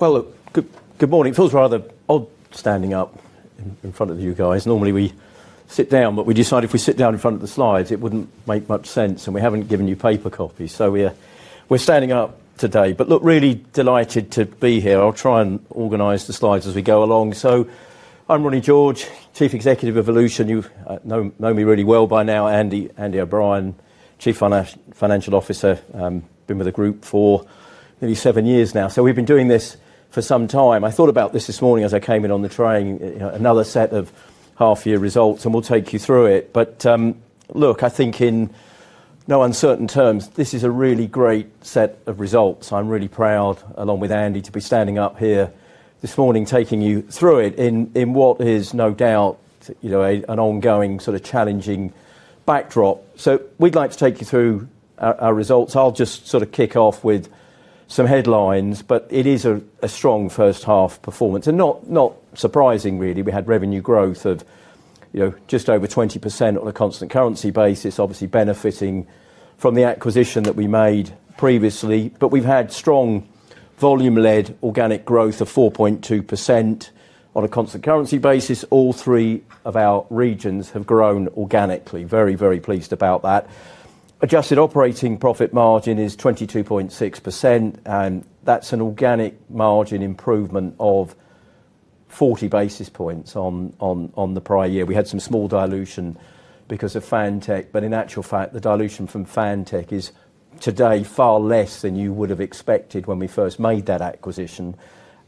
Well, look, good morning. It feels rather odd standing up in front of you guys. Normally, we sit down, but we decided if we sit down in front of the slides, it wouldn't make much sense, and we haven't given you paper copies. We're standing up today. Look, really delighted to be here. I'll try and organize the slides as we go along. I'm Ronnie George, Chief Executive of Volution. You know me really well by now. Andy O'Brien, Chief Financial Officer. Been with the group for nearly seven years now. We've been doing this for some time. I thought about this this morning as I came in on the train, you know, another set of half year results, and we'll take you through it. Look, I think in no uncertain terms, this is a really great set of results. I'm really proud along with Andy to be standing up here this morning, taking you through it in what is no doubt, you know, an ongoing sort of challenging backdrop. We'd like to take you through our results. I'll just sort of kick off with some headlines, but it is a strong first half performance and not surprising really. We had revenue growth of, you know, just over 20% on a constant currency basis, obviously benefiting from the acquisition that we made previously. We've had strong volume-led organic growth of 4.2% on a constant currency basis. All three of our regions have grown organically. Very pleased about that. Adjusted operating profit margin is 22.6%, and that's an organic margin improvement of 40 basis points on the prior year. We had some small dilution because of Fantech, but in actual fact, the dilution from Fantech is today far less than you would have expected when we first made that acquisition.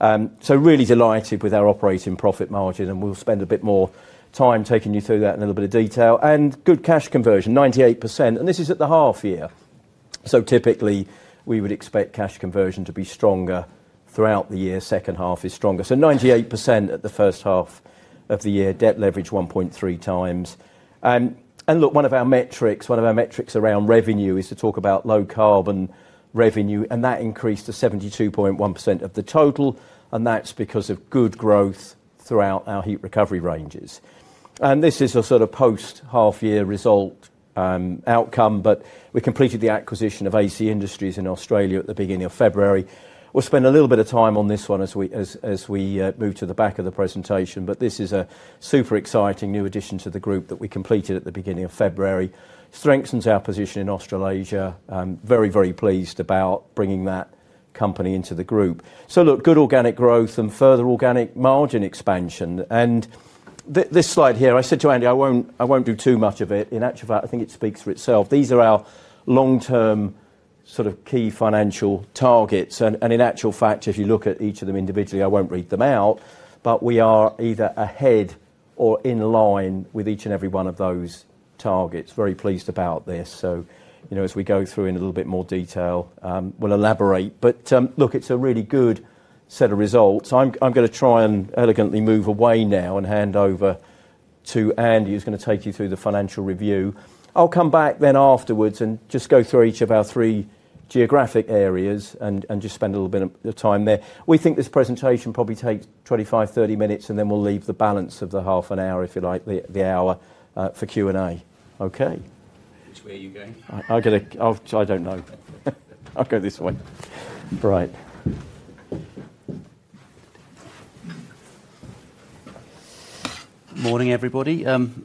So really delighted with our operating profit margin, and we'll spend a bit more time taking you through that in a little bit of detail. Good cash conversion, 98%, and this is at the half year. Typically, we would expect cash conversion to be stronger throughout the year. Second half is stronger. 98% at the first half of the year, debt leverage 1.3x. Look, one of our metrics around revenue is to talk about low carbon revenue, and that increased to 72.1% of the total, and that's because of good growth throughout our heat recovery ranges. This is a sort of post half year result outcome, but we completed the acquisition of AC Industries in Australia at the beginning of February. We'll spend a little bit of time on this one as we move to the back of the presentation, but this is a super exciting new addition to the group that we completed at the beginning of February. Strengthens our position in Australasia. I'm very pleased about bringing that company into the group. Look, good organic growth and further organic margin expansion. This slide here, I said to Andy, I won't do too much of it. In actual fact, I think it speaks for itself. These are our long-term sort of key financial targets. In actual fact, if you look at each of them individually, I won't read them out, but we are either ahead or in line with each and every one of those targets. Very pleased about this. You know, as we go through in a little bit more detail, we'll elaborate. Look, it's a really good set of results. I'm gonna try and elegantly move away now and hand over to Andy, who's gonna take you through the financial review. I'll come back then afterwards and just go through each of our three geographic areas and just spend a little bit of time there. We think this presentation probably takes 25, 30 minutes, and then we'll leave the balance of the half an hour, if you like, the hour, for Q&A. Okay. Which way are you going? I don't know. I'll go this way. Right. Morning, everybody.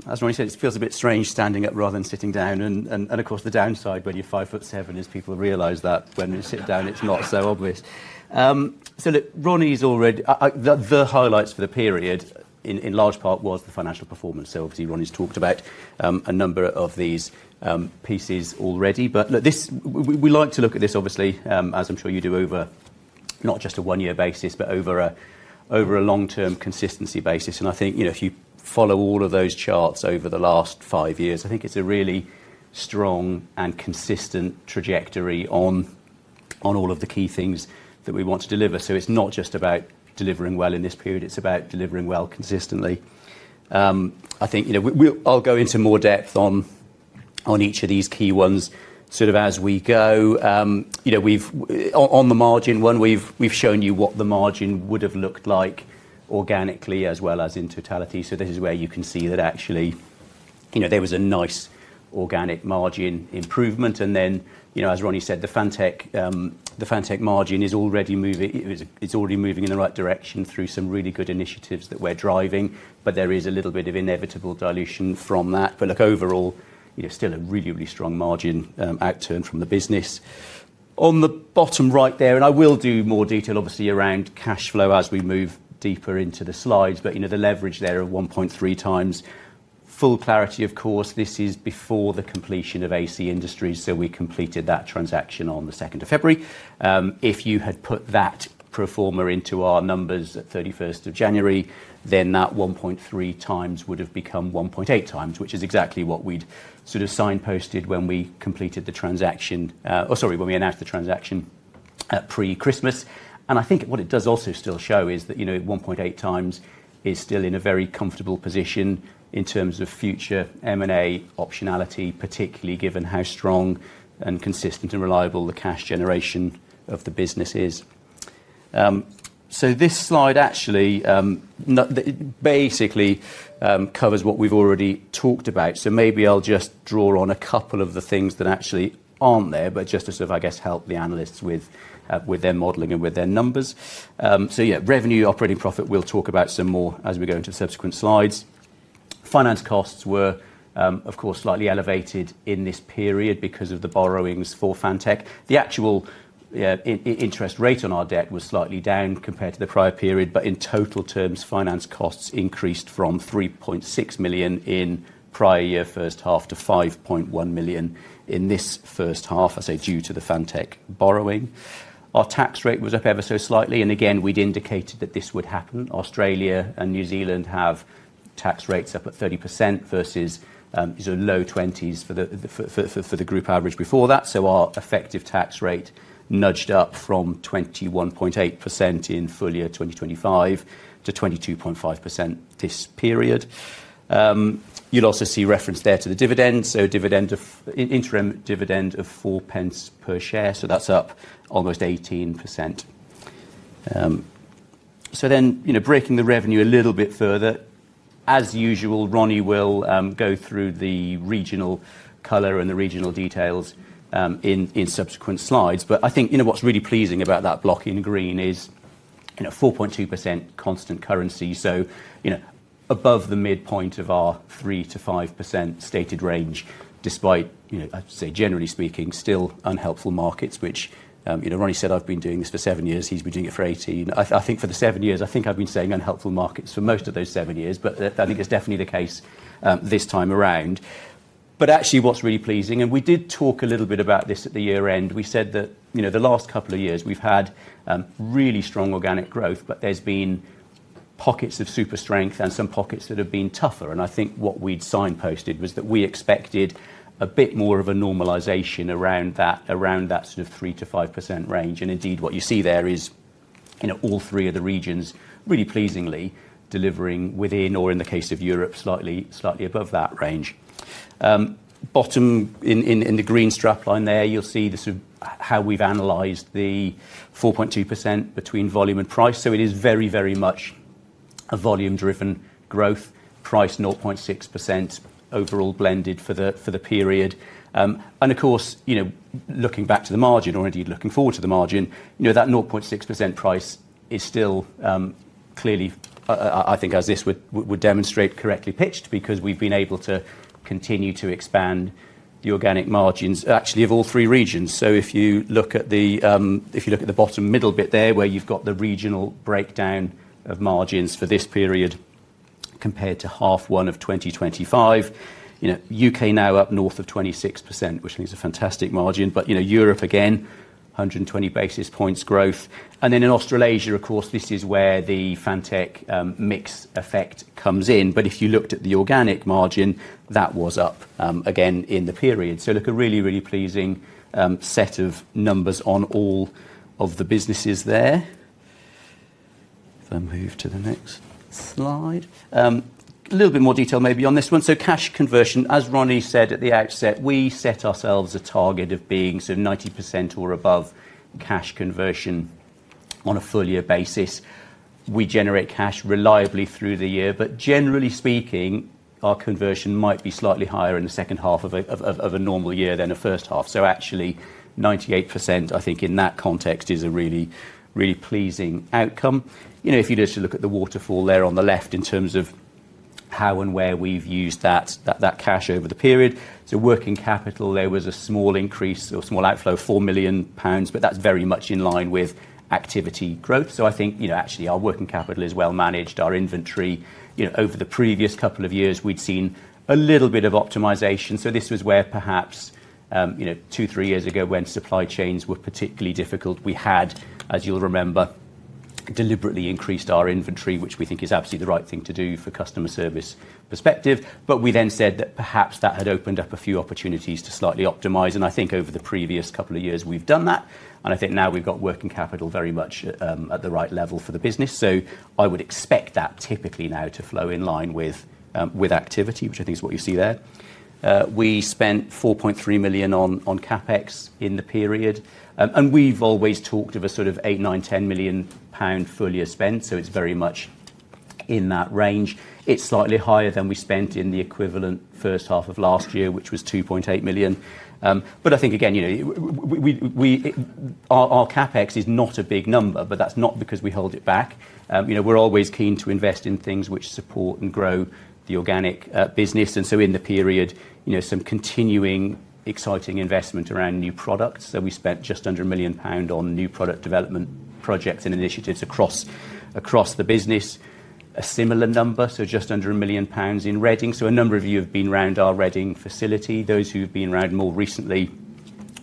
As Ronnie said, it feels a bit strange standing up rather than sitting down. Of course, the downside when you're 5 ft 7 is people realize that when you sit down it's not so obvious. Look, Ronnie's already. The highlights for the period in large part was the financial performance. Obviously, Ronnie's talked about a number of these pieces already. Look, we like to look at this, obviously, as I'm sure you do, over not just a one-year basis, but over a long-term consistency basis. I think, you know, if you follow all of those charts over the last five years, I think it's a really strong and consistent trajectory on all of the key things that we want to deliver. It's not just about delivering well in this period. It's about delivering well consistently. I think, you know, I'll go into more depth on each of these key ones sort of as we go. You know, on the margin one, we've shown you what the margin would have looked like organically as well as in totality. This is where you can see that actually, you know, there was a nice organic margin improvement. You know, as Ronnie said, the Fantech margin is already moving. It's already moving in the right direction through some really good initiatives that we're driving, but there is a little bit of inevitable dilution from that. Look, overall, you know, still a really strong margin outturn from the business. On the bottom right there, and I will do more detail obviously around cash flow as we move deeper into the slides, but, you know, the leverage there of 1.3x. Full clarity, of course, this is before the completion of AC Industries, so we completed that transaction on the 2nd of February. If you had put that pro forma into our numbers at 31st of January, then that 1.3x would have become 1.8x, which is exactly what we'd sort of signposted when we announced the transaction at pre-Christmas. I think what it does also still show is that, you know, 1.8x is still in a very comfortable position in terms of future M&A optionality, particularly given how strong and consistent and reliable the cash generation of the business is. This slide actually covers what we've already talked about. Maybe I'll just draw on a couple of the things that actually aren't there, but just to sort of, I guess, help the analysts with their modeling and with their numbers. Revenue operating profit, we'll talk about some more as we go into subsequent slides. Finance costs were, of course, slightly elevated in this period because of the borrowings for Fantech. The actual interest rate on our debt was slightly down compared to the prior period. In total terms, finance costs increased from 3.6 million in prior year first half to 5.1 million in this first half, I say, due to the Fantech borrowing. Our tax rate was up ever so slightly, and again, we'd indicated that this would happen. Australia and New Zealand have tax rates up at 30% versus sort of low 20s for the group average before that. Our effective tax rate nudged up from 21.8% in full year 2025 to 22.5% this period. You'll also see reference there to the dividend. Interim dividend of 4 pence per share, so that's up almost 18%. You know, breaking the revenue a little bit further. As usual, Ronnie will go through the regional color and the regional details in subsequent slides. I think, you know, what's really pleasing about that block in green is, you know, 4.2% constant currency. You know, above the midpoint of our 3%-5% stated range despite, you know, I'd say, generally speaking, still unhelpful markets, which, you know, Ronnie said I've been doing this for seven years. He's been doing it for 18. I think for the seven years, I think I've been saying unhelpful markets for most of those seven years, but that, I think it's definitely the case this time around. Actually, what's really pleasing, and we did talk a little bit about this at the year-end, we said that, you know, the last couple of years we've had really strong organic growth, but there's been pockets of super strength and some pockets that have been tougher. I think what we'd signposted was that we expected a bit more of a normalization around that, around that sort of 3%-5% range. Indeed, what you see there is, you know, all three of the regions really pleasingly delivering within, or in the case of Europe, slightly above that range. Bottom in the green strap line there, you'll see the sort of how we've analyzed the 4.2% between volume and price. It is very, very much a volume-driven growth. Price 0.6% overall blended for the period. Of course, you know, looking back to the margin or indeed looking forward to the margin, you know, that 0.6% price is still clearly, I think as this would demonstrate correctly pitched because we've been able to continue to expand the organic margins actually of all three regions. If you look at the bottom middle bit there, where you've got the regional breakdown of margins for this period compared to half one of 2025, you know, U.K. now up north of 26%, which leaves a fantastic margin. You know, Europe again, 120 basis points growth. In Australasia, of course, this is where the Fantech mix effect comes in. If you looked at the organic margin, that was up again in the period. Look, a really, really pleasing set of numbers on all of the businesses there. If I move to the next slide. A little bit more detail maybe on this one. Cash conversion, as Ronnie said at the outset, we set ourselves a target of being sort of 90% or above cash conversion on a full year basis. We generate cash reliably through the year, but generally speaking, our conversion might be slightly higher in the second half of a normal year than a first half. Actually, 98%, I think in that context, is a really, really pleasing outcome. You know, if you just look at the waterfall there on the left in terms of how and where we've used that cash over the period. Working capital, there was a small increase or small outflow, 4 million pounds, but that's very much in line with activity growth. I think, you know, actually our working capital is well managed. Our inventory, you know, over the previous couple of years, we'd seen a little bit of optimization. This was where perhaps, you know, two, three years ago when supply chains were particularly difficult, we had, as you'll remember, deliberately increased our inventory, which we think is absolutely the right thing to do for customer service perspective. We then said that perhaps that had opened up a few opportunities to slightly optimize. I think over the previous couple of years we've done that, and I think now we've got working capital very much at the right level for the business. I would expect that typically now to flow in line with activity, which I think is what you see there. We spent 4.3 million on CapEx in the period. We've always talked of a sort of 8 million-10 million pound full year spend, so it's very much in that range. It's slightly higher than we spent in the equivalent first half of last year, which was 2.8 million. I think again, you know, we, our CapEx is not a big number, but that's not because we hold it back. You know, we're always keen to invest in things which support and grow the organic business. In the period, you know, some continuing exciting investment around new products. We spent just under 1 million pound on new product development projects and initiatives across the business. A similar number, just under 1 million pounds in Reading. A number of you have been around our Reading facility. Those who've been around more recently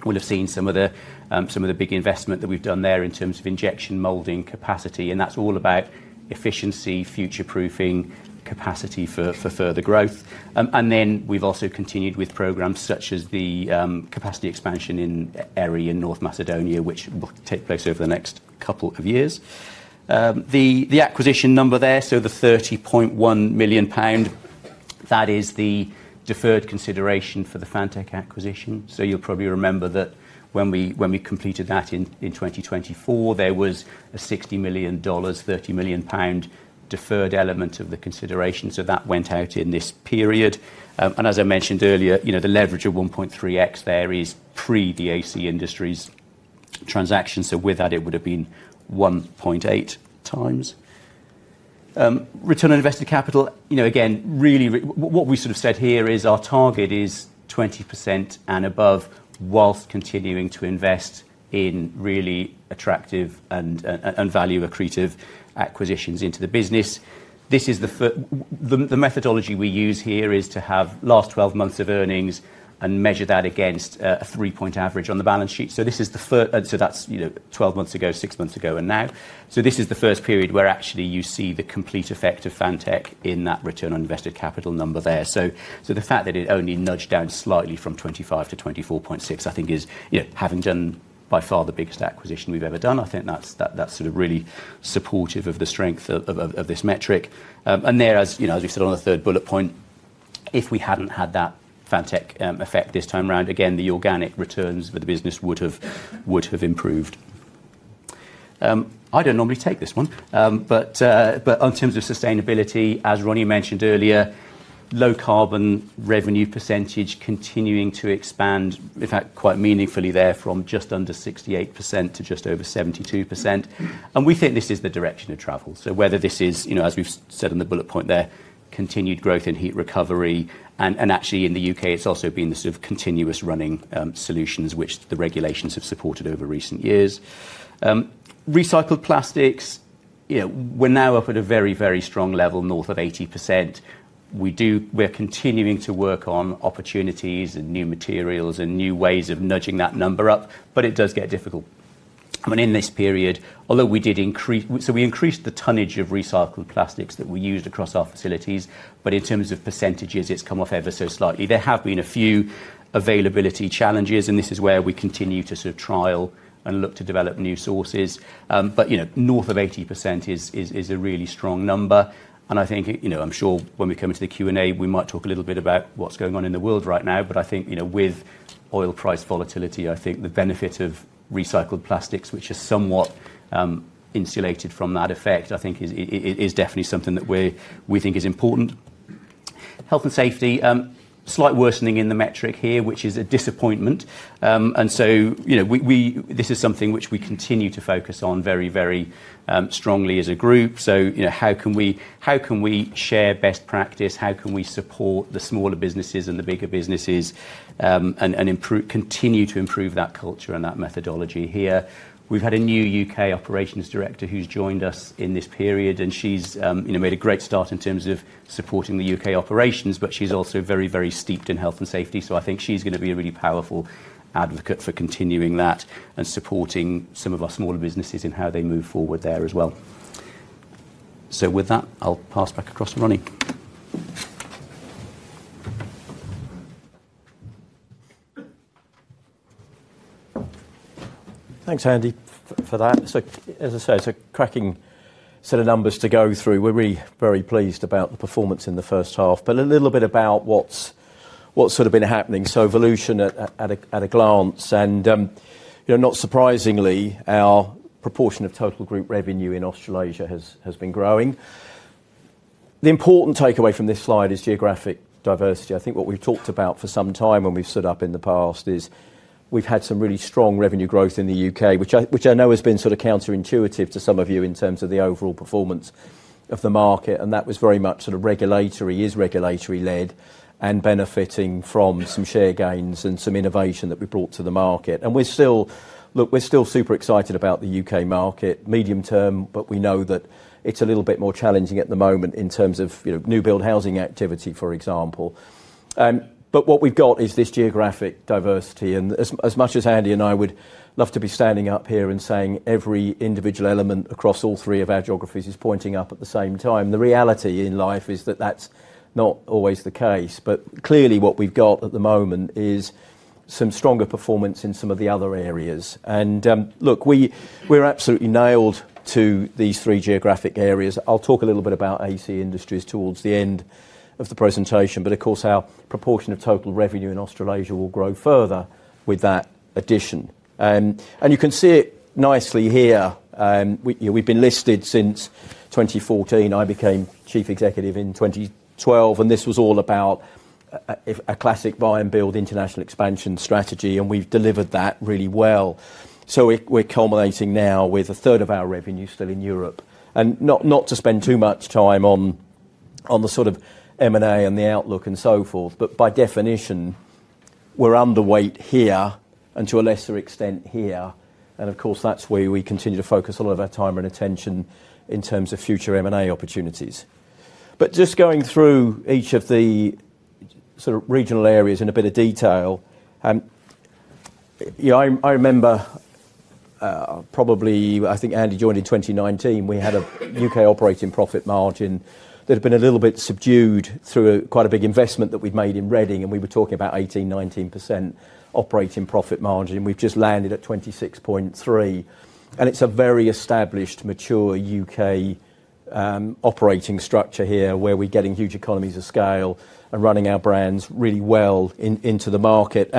will have seen some of the big investment that we've done there in terms of injection molding capacity, and that's all about efficiency, future-proofing capacity for further growth. We've also continued with programs such as the capacity expansion in Erion, North Macedonia, which will take place over the next couple of years. The acquisition number there, the 30.1 million pound, that is the deferred consideration for the Fantech acquisition. You'll probably remember that when we completed that in 2024, there was a $60 million, 30 million pound deferred element of the consideration. That went out in this period. As I mentioned earlier, you know, the leverage of 1.3x there is pre the AC Industries transactions. With that, it would have been 1.8x. Return on invested capital, you know, again, really what we sort of said here is our target is 20% and above, while continuing to invest in really attractive and value accretive acquisitions into the business. This is the methodology we use here is to have last 12 months of earnings and measure that against a three-point average on the balance sheet. This is the first period where actually you see the complete effect of Fantech in that return on invested capital number there. The fact that it only nudged down slightly from 25 to 24.6, I think is, you know, having done by far the biggest acquisition we've ever done, I think that's sort of really supportive of the strength of this metric. There, as you know, as we said on the third bullet point, if we hadn't had that Fantech effect this time around, again, the organic returns for the business would have improved. I don't normally take this one, but in terms of sustainability, as Ronnie mentioned earlier, low carbon revenue percentage continuing to expand. In fact, quite meaningfully there from just under 68% to just over 72%. We think this is the direction of travel. Whether this is, you know, as we've said in the bullet point there, continued growth in heat recovery, and actually in the U.K., it's also been the sort of continuous running solutions which the regulations have supported over recent years. Recycled plastics, you know, we're now up at a very strong level north of 80%. We're continuing to work on opportunities and new materials and new ways of nudging that number up, but it does get difficult. I mean, in this period, we increased the tonnage of recycled plastics that we used across our facilities, but in terms of percentages, it's come off ever so slightly. There have been a few availability challenges, and this is where we continue to sort of trial and look to develop new sources. You know, north of 80% is a really strong number. I think, you know, I'm sure when we come into the Q&A, we might talk a little bit about what's going on in the world right now. I think, you know, with oil price volatility, I think the benefit of recycled plastics, which are somewhat insulated from that effect, I think is definitely something that we think is important. Health and safety, slight worsening in the metric here, which is a disappointment. This is something which we continue to focus on very strongly as a group. You know, how can we share best practice? How can we support the smaller businesses and the bigger businesses, continue to improve that culture and that methodology here? We've had a new U.K. operations director who's joined us in this period, and she's made a great start in terms of supporting the U.K. operations, but she's also very steeped in health and safety. I think she's gonna be a really powerful advocate for continuing that and supporting some of our smaller businesses in how they move forward there as well. With that, I'll pass back across to Ronnie. Thanks, Andy, for that. As I say, it's a cracking set of numbers to go through. We're really very pleased about the performance in the first half. A little bit about what's sort of been happening. Volution at a glance, not surprisingly, our proportion of total group revenue in Australasia has been growing. The important takeaway from this slide is geographic diversity. I think what we've talked about for some time when we've stood up in the past is we've had some really strong revenue growth in the U.K., which I know has been sort of counterintuitive to some of you in terms of the overall performance of the market, and that was very much sort of regulatory-led and benefiting from some share gains and some innovation that we brought to the market. Look, we're still super excited about the UK market medium term, but we know that it's a little bit more challenging at the moment in terms of, you know, new build housing activity, for example. What we've got is this geographic diversity, and as much as Andy and I would love to be standing up here and saying every individual element across all three of our geographies is pointing up at the same time, the reality in life is that that's not always the case. Clearly what we've got at the moment is some stronger performance in some of the other areas. We're absolutely nailed to these three geographic areas. I'll talk a little bit about AC Industries towards the end of the presentation, but of course, our proportion of total revenue in Australasia will grow further with that addition. You can see it nicely here. You know, we've been listed since 2014. I became Chief Executive in 2012, and this was all about a classic buy and build international expansion strategy, and we've delivered that really well. We're culminating now with a third of our revenue still in Europe. Not to spend too much time on the sort of M&A and the outlook and so forth, but by definition, we're underweight here and to a lesser extent here. Of course, that's where we continue to focus a lot of our time and attention in terms of future M&A opportunities. Just going through each of the sort of regional areas in a bit of detail, you know, I remember probably, I think Andy joined in 2019, we had a U.K. operating profit margin that had been a little bit subdued through quite a big investment that we'd made in Reading, and we were talking about 18%-19% operating profit margin. We've just landed at 26.3%. It's a very established, mature U.K. operating structure here, where we're getting huge economies of scale and running our brands really well into the market.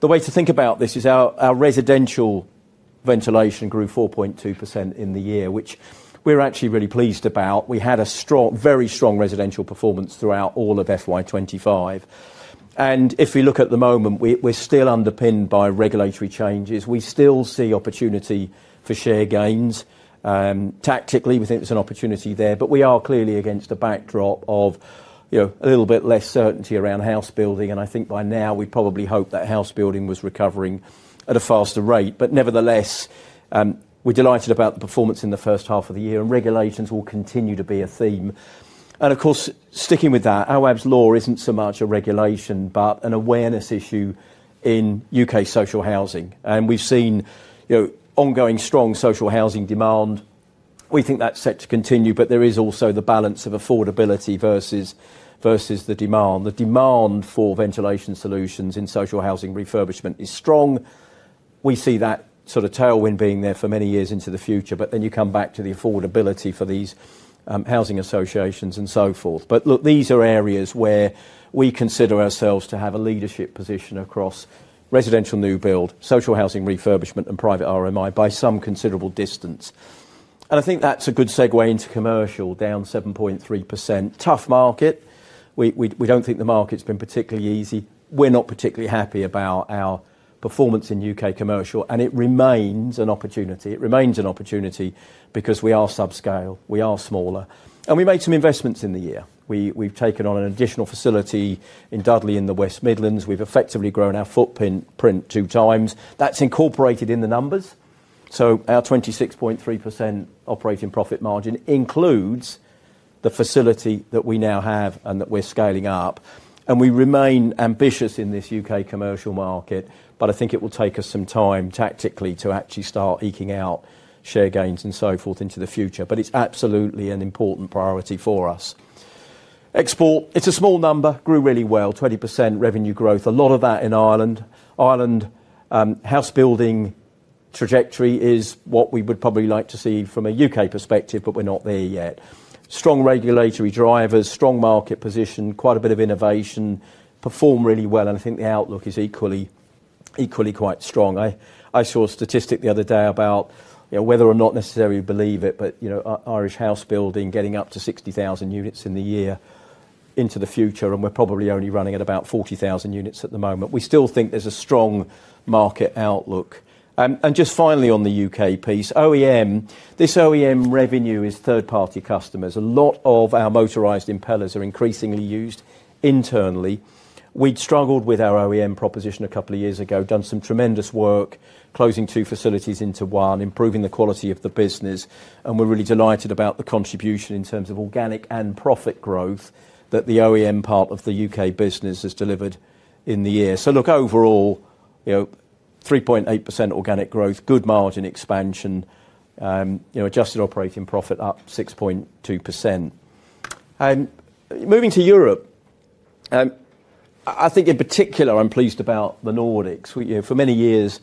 The way to think about this is our residential ventilation grew 4.2% in the year, which we're actually really pleased about. We had a strong, very strong residential performance throughout all of FY 2025. If we look at the moment, we're still underpinned by regulatory changes. We still see opportunity for share gains. Tactically, we think there's an opportunity there, but we are clearly against a backdrop of, you know, a little bit less certainty around house building, and I think by now we probably hope that house building was recovering at a faster rate. Nevertheless, we're delighted about the performance in the first half of the year, and regulations will continue to be a theme. Of course, sticking with that, Awaab's Law isn't so much a regulation but an awareness issue in U.K. social housing. We've seen, you know, ongoing strong social housing demand. We think that's set to continue, but there is also the balance of affordability versus the demand. The demand for ventilation solutions in social housing refurbishment is strong. We see that sort of tailwind being there for many years into the future, but then you come back to the affordability for these, housing associations and so forth. Look, these are areas where we consider ourselves to have a leadership position across residential new build, social housing refurbishment and private RMI by some considerable distance. I think that's a good segue into commercial, down 7.3%. Tough market. We don't think the market's been particularly easy. We're not particularly happy about our performance in U.K. commercial, and it remains an opportunity. It remains an opportunity because we are subscale, we are smaller, and we made some investments in the year. We've taken on an additional facility in Dudley, in the West Midlands. We've effectively grown our footprint two times. That's incorporated in the numbers. Our 26.3% operating profit margin includes the facility that we now have and that we're scaling up. We remain ambitious in this U.K. commercial market, but I think it will take us some time tactically to actually start eking out share gains and so forth into the future. It's absolutely an important priority for us. Export, it's a small number, grew really well, 20% revenue growth. A lot of that in Ireland. Ireland, house building trajectory is what we would probably like to see from a U.K. perspective, but we're not there yet. Strong regulatory drivers, strong market position, quite a bit of innovation, perform really well, and I think the outlook is equally quite strong. I saw a statistic the other day about, you know, whether or not necessarily you believe it, but, you know, Irish house building getting up to 60,000 units in the year into the future, and we're probably only running at about 40,000 units at the moment. We still think there's a strong market outlook. Just finally on the U.K., parts, OEM. This OEM revenue is third-party customers. A lot of our motorized impellers are increasingly used internally. We'd struggled with our OEM proposition a couple of years ago, done some tremendous work closing two facilities into one, improving the quality of the business, and we're really delighted about the contribution in terms of organic and profit growth that the OEM part of the U.K. business has delivered in the year. Look, overall, you know, 3.8% organic growth, good margin expansion, you know, adjusted operating profit up 6.2%. Moving to Europe, I think in particular, I'm pleased about the Nordics. You know, for many years,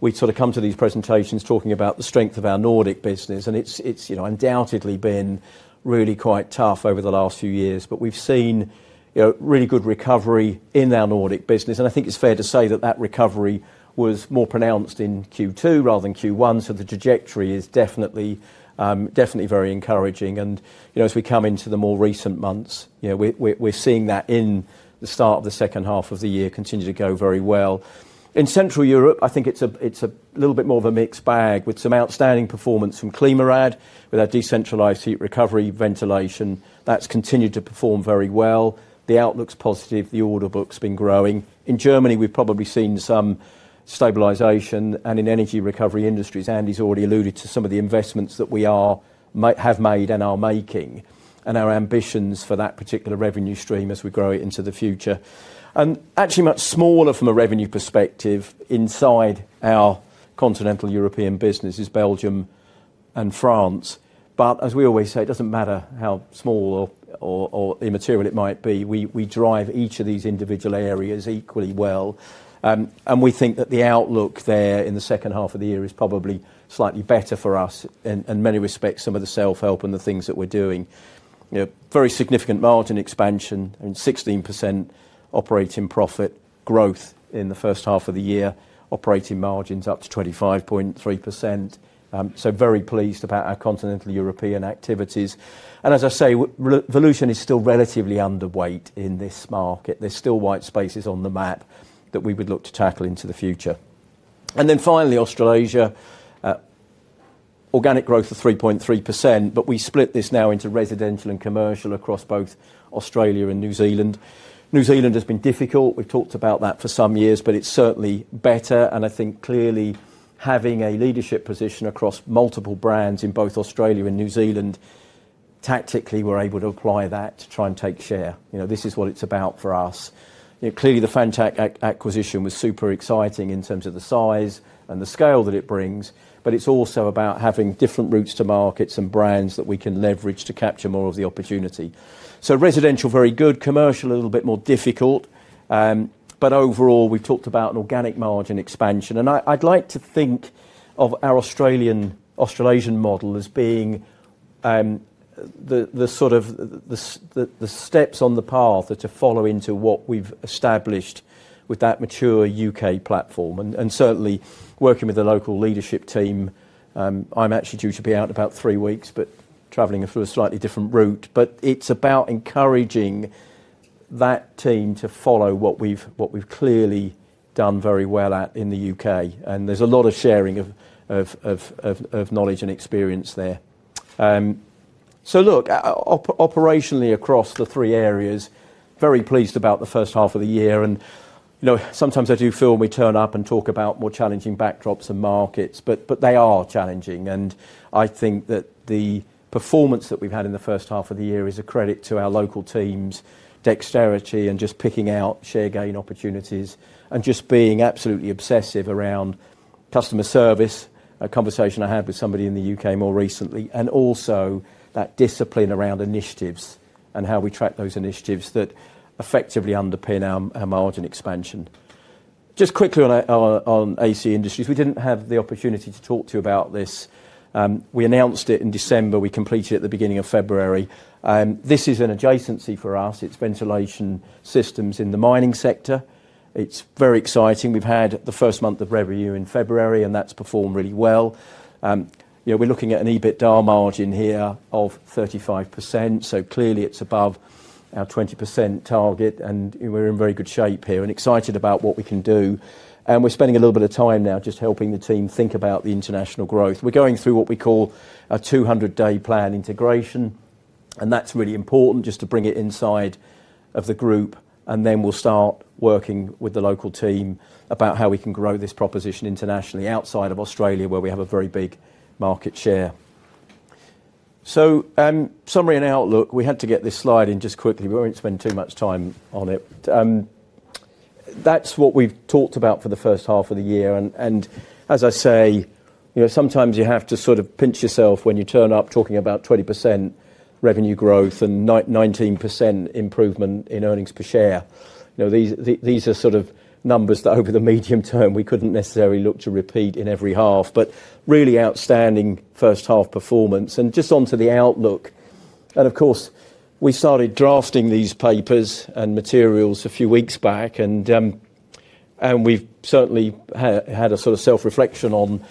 we'd sort of come to these presentations talking about the strength of our Nordic business, and it's undoubtedly been really quite tough over the last few years. We've seen, you know, really good recovery in our Nordic business, and I think it's fair to say that recovery was more pronounced in Q2 rather than Q1. The trajectory is definitely very encouraging. You know, as we come into the more recent months, you know, we're seeing that in the start of the second half of the year continue to go very well. In Central Europe, I think it's a little bit more of a mixed bag with some outstanding performance from ClimaRad, with our decentralized heat recovery ventilation. That's continued to perform very well. The outlook's positive. The order book's been growing. In Germany, we've probably seen some stabilization, and in Energy Recovery Industries, Andy's already alluded to some of the investments that we have made and are making, and our ambitions for that particular revenue stream as we grow it into the future. Actually much smaller from a revenue perspective inside our continental European business is Belgium and France. As we always say, it doesn't matter how small or immaterial it might be, we drive each of these individual areas equally well. We think that the outlook there in the second half of the year is probably slightly better for us in many respects, some of the self-help and the things that we're doing. You know, very significant margin expansion and 16% operating profit growth in the first half of the year, operating margins up to 25.3%. So very pleased about our continental European activities. As I say, Volution is still relatively underweight in this market. There's still white spaces on the map that we would look to tackle into the future. Then finally, Australasia. Organic growth of 3.3%, but we split this now into residential and commercial across both Australia and New Zealand. New Zealand has been difficult. We've talked about that for some years, but it's certainly better, and I think clearly having a leadership position across multiple brands in both Australia and New Zealand, tactically, we're able to apply that to try and take share. You know, this is what it's about for us. You know, clearly, the Fantech acquisition was super exciting in terms of the size and the scale that it brings, but it's also about having different routes to markets and brands that we can leverage to capture more of the opportunity. Residential, very good. Commercial, a little bit more difficult. Overall, we've talked about an organic margin expansion, and I'd like to think of our Australian, Australasian model as being the sort of steps on the path are to follow into what we've established with that mature U.K. platform. Certainly working with the local leadership team, I'm actually due to be out in about three weeks, but traveling through a slightly different route. It's about encouraging that team to follow what we've clearly done very well at in the U.K. There's a lot of sharing of knowledge and experience there. Look, operationally across the three areas, very pleased about the first half of the year. You know, sometimes I do feel we turn up and talk about more challenging backdrops and markets, but they are challenging. I think that the performance that we've had in the first half of the year is a credit to our local teams' dexterity and just picking out share gain opportunities and just being absolutely obsessive around customer service, a conversation I had with somebody in the U.K. more recently, and also that discipline around initiatives and how we track those initiatives that effectively underpin our margin expansion. Just quickly on AC Industries. We didn't have the opportunity to talk to you about this. We announced it in December. We completed it at the beginning of February. This is an adjacency for us. It's ventilation systems in the mining sector. It's very exciting. We've had the first month of revenue in February, and that's performed really well. You know, we're looking at an EBITDA margin here of 35%, so clearly it's above our 20% target, and we're in very good shape here and excited about what we can do. We're spending a little bit of time now just helping the team think about the international growth. We're going through what we call a 200-day plan integration, and that's really important just to bring it inside of the group, and then we'll start working with the local team about how we can grow this proposition internationally outside of Australia, where we have a very big market share. Summary and outlook. We had to get this slide in just quickly. We won't spend too much time on it. That's what we've talked about for the first half of the year. As I say, you know, sometimes you have to sort of pinch yourself when you turn up talking about 20% revenue growth and 19% improvement in earnings per share. You know, these are sort of numbers that over the medium term we couldn't necessarily look to repeat in every half. Really outstanding first half performance. Just onto the outlook. Of course, we started drafting these papers and materials a few weeks back, and we've certainly had a sort of self-reflection on,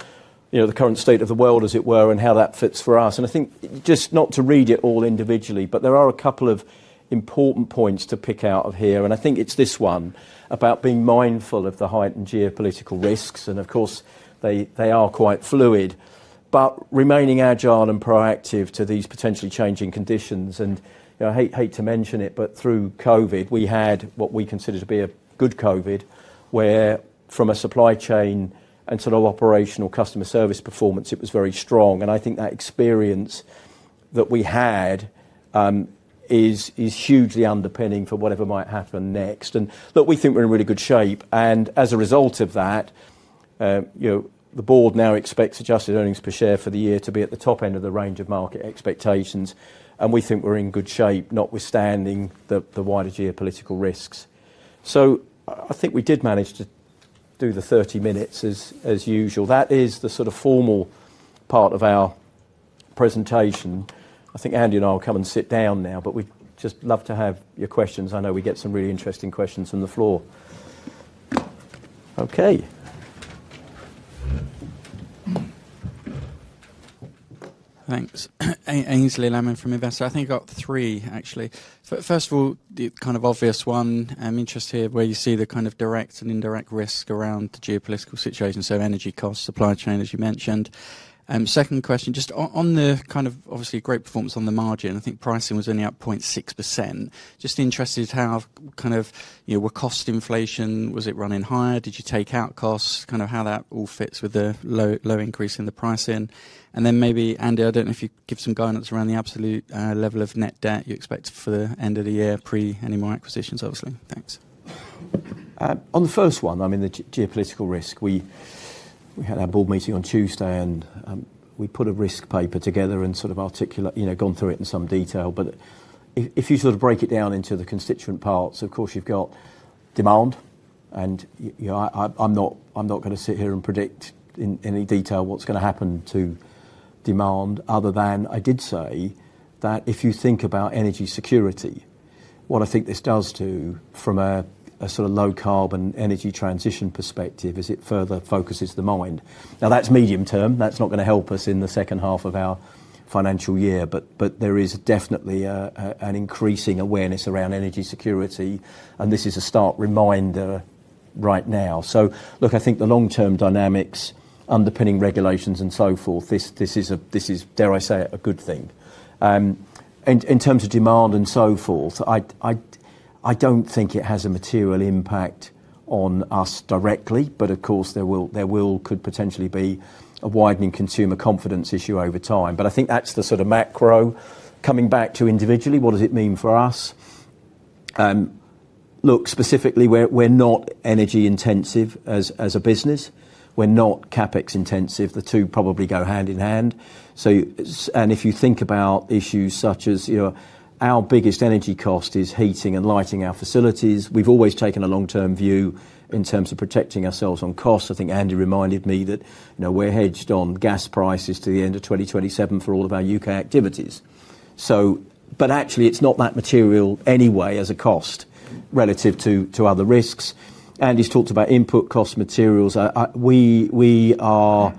you know, the current state of the world, as it were, and how that fits for us. I think just not to read it all individually, but there are a couple of important points to pick out of here, and I think it's this one about being mindful of the heightened geopolitical risks. Of course, they are quite fluid, but remaining agile and proactive to these potentially changing conditions. You know, I hate to mention it, but through COVID, we had what we consider to be a good COVID, where from a supply chain and sort of operational customer service performance, it was very strong. I think that experience that we had is hugely underpinning for whatever might happen next. Look, we think we're in really good shape. As a result of that, you know, the board now expects adjusted earnings per share for the year to be at the top end of the range of market expectations. We think we're in good shape, notwithstanding the wider geopolitical risks. I think we did manage to do the 30 minutes as usual. That is the sort of formal part of our presentation. I think Andy and I will come and sit down now, but we'd just love to have your questions. I know we get some really interesting questions from the floor. Okay. Thanks. Aynsley Lambert from Investec. I think I've got three, actually. First of all, the kind of obvious one, I'm interested where you see the kind of direct and indirect risk around the geopolitical situation. So energy costs, supply chain, as you mentioned. Second question, just on the kind of obviously great performance on the margin, I think pricing was only up 0.6%. Just interested how kind of, you know, were cost inflation, was it running higher? Did you take out costs? Kind of how that all fits with the low increase in the pricing. And then maybe, Andy, I don't know if you'd give some guidance around the absolute level of net debt you expect for the end of the year pre any more acquisitions, obviously. Thanks. On the first one, I mean, the geopolitical risk, we had our board meeting on Tuesday, and we put a risk paper together and sort of articulated, you know, gone through it in some detail. If you sort of break it down into the constituent parts, of course, you've got demand, and you know, I'm not gonna sit here and predict in any detail what's gonna happen to demand other than I did say that if you think about energy security, what I think this does to, from a sort of low carbon energy transition perspective, is it further focuses the mind. Now, that's medium term. That's not gonna help us in the second half of our financial year. There is definitely an increasing awareness around energy security, and this is a stark reminder right now. Look, I think the long-term dynamics underpinning regulations and so forth, this is, dare I say, a good thing. In terms of demand and so forth, I don't think it has a material impact on us directly, but of course, there could potentially be a widening consumer confidence issue over time. I think that's the sort of macro. Coming back to individually, what does it mean for us? Look, specifically, we're not energy intensive as a business. We're not CapEx intensive. The two probably go hand in hand. And if you think about issues such as, you know, our biggest energy cost is heating and lighting our facilities. We've always taken a long-term view in terms of protecting ourselves on costs. I think Andy reminded me that, you know, we're hedged on gas prices to the end of 2027 for all of our U.K. activities. Actually, it's not that material anyway as a cost relative to other risks. Andy's talked about input cost materials. We are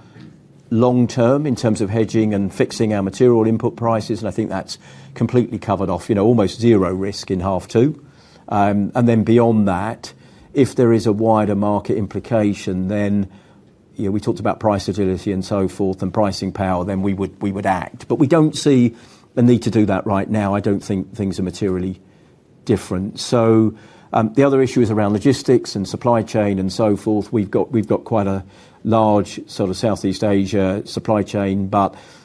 long term in terms of hedging and fixing our material input prices, and I think that's completely covered off, you know, almost zero risk in half two. Then beyond that, if there is a wider market implication, then, you know, we talked about price agility and so forth and pricing power, then we would act. We don't see a need to do that right now. I don't think things are materially different. The other issue is around logistics and supply chain and so forth. We've got quite a large sort of Southeast Asia supply chain.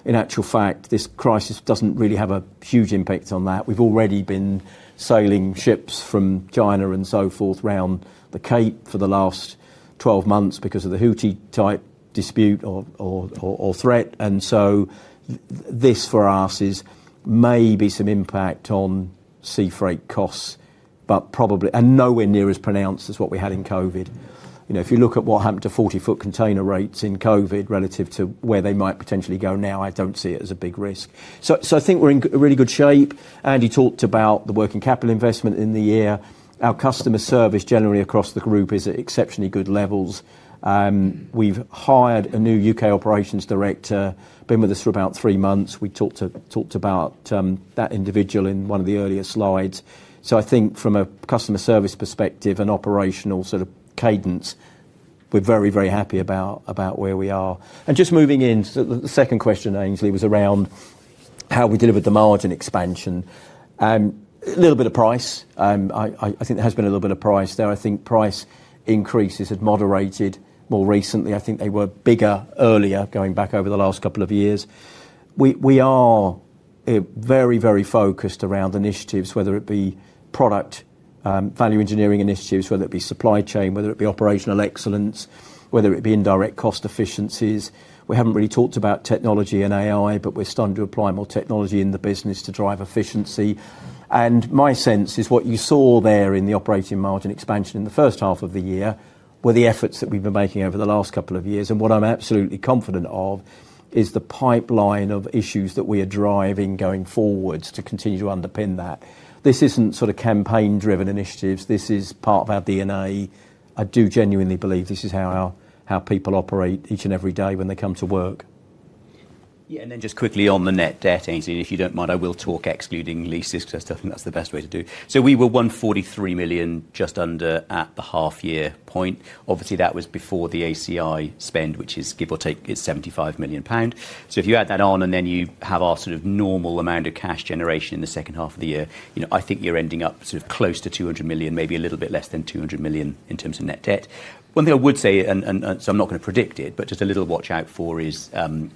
In actual fact, this crisis doesn't really have a huge impact on that. We've already been sailing ships from China and so forth around the Cape for the last 12 months because of the Houthi-type dispute or threat. This for us is maybe some impact on sea freight costs, but probably and nowhere near as pronounced as what we had in COVID. You know, if you look at what happened to 40 ft container rates in COVID relative to where they might potentially go now, I don't see it as a big risk. I think we're in really good shape. Andy talked about the working capital investment in the year. Our customer service generally across the group is at exceptionally good levels. We've hired a new U.K. Operations Director, been with us for about three months. We talked about that individual in one of the earlier slides. I think from a customer service perspective and operational sort of cadence, we're very, very happy about where we are. Just moving in, the second question, Ainsley, was around how we delivered the margin expansion. A little bit of price. I think there has been a little bit of price there. I think price increases have moderated more recently. I think they were bigger earlier, going back over the last couple of years. We are very, very focused around initiatives, whether it be product value engineering initiatives, whether it be supply chain, whether it be operational excellence, whether it be indirect cost efficiencies. We haven't really talked about technology and AI, but we're starting to apply more technology in the business to drive efficiency. My sense is what you saw there in the operating margin expansion in the first half of the year were the efforts that we've been making over the last couple of years. What I'm absolutely confident of is the pipeline of issues that we are driving going forwards to continue to underpin that. This isn't sort of campaign-driven initiatives. This is part of our DNA. I do genuinely believe this is how people operate each and every day when they come to work. Yeah. Just quickly on the net debt, Ainsley, if you don't mind, I will talk excluding leases because I still think that's the best way to do. We were just under GBP 143 million at the half year point. Obviously, that was before the ACI spend, which give or take is 75 million pounds. If you add that on, and then you have our sort of normal amount of cash generation in the second half of the year, you know, I think you're ending up sort of close to 200 million, maybe a little bit less than 200 million in terms of net debt. One thing I would say, so I'm not going to predict it, but just a little watch out for is the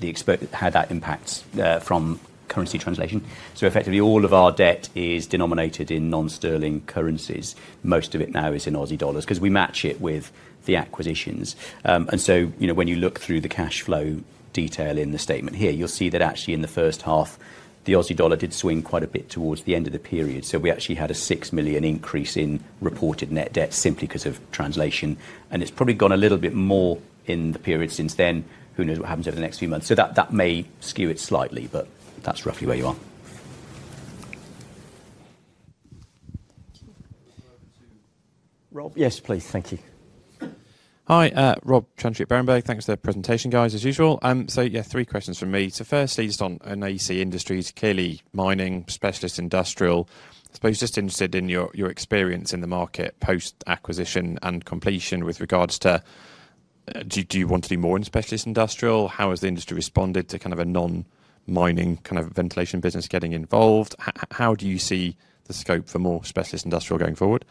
exposure, how that impacts from currency translation. Effectively, all of our debt is denominated in non-sterling currencies. Most of it now is in Aussie dollars because we match it with the acquisitions. You know, when you look through the cash flow detail in the statement here, you'll see that actually in the first half, the Aussie dollar did swing quite a bit towards the end of the period. We actually had a 6 million increase in reported net debt simply 'cause of translation. It's probably gone a little bit more in the period since then. Who knows what happens over the next few months? That may skew it slightly, but that's roughly where you are. Rob? Yes, please. Thank you. Hi. Rob Chantry at Berenberg. Thanks for the presentation, guys, as usual. Yeah, three questions from me. Firstly, just on AC Industries, clearly mining, specialist industrial. I suppose just interested in your experience in the market post-acquisition and completion with regards to, do you want to do more in specialist industrial? How has the industry responded to kind of a non-mining kind of ventilation business getting involved? How do you see the scope for more specialist industrial going forward?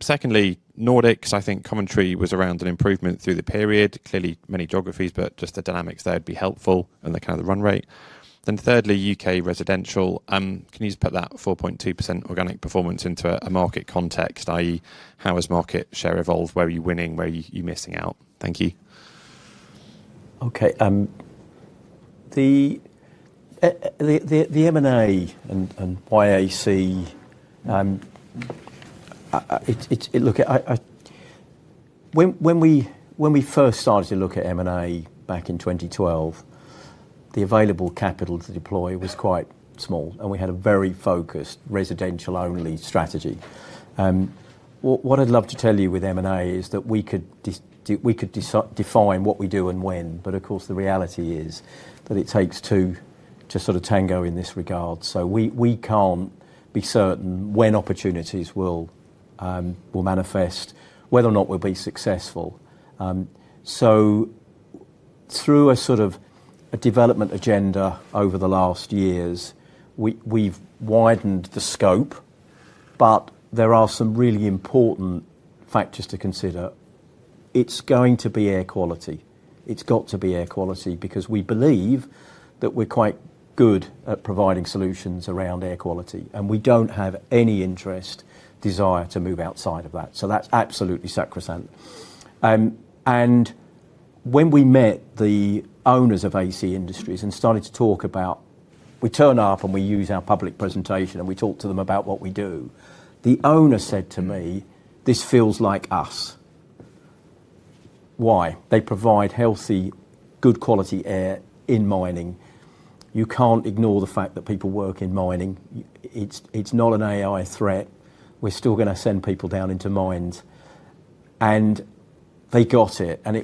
Secondly, Nordics, I think commentary was around an improvement through the period. Clearly many geographies, but just the dynamics there would be helpful and the kind of the run rate. Thirdly, U.K. residential, can you just put that 4.2% organic performance into a market context, i.e., how has market share evolved? Where are you winning? Where are you? You're missing out? Thank you. When we first started to look at M&A back in 2012, the available capital to deploy was quite small, and we had a very focused residential-only strategy. What I'd love to tell you with M&A is that we could define what we do and when, but of course, the reality is that it takes two to sort of tango in this regard. We can't be certain when opportunities will manifest whether or not we'll be successful. Through a sort of a development agenda over the last years, we've widened the scope, but there are some really important factors to consider. It's going to be air quality. It's got to be air quality because we believe that we're quite good at providing solutions around air quality, and we don't have any interest, desire to move outside of that. That's absolutely sacrosanct. When we met the owners of AC Industries and started to talk about, we turn up and we use our public presentation and we talk to them about what we do, the owner said to me, "This feels like us." Why? They provide healthy, good quality air in mining. You can't ignore the fact that people work in mining. It's not an AI threat. We're still gonna send people down into mines. They got it, and